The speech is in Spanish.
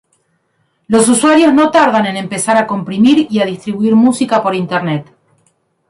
Los usuarios no tardan en empezar a comprimir y a distribuir música por internet.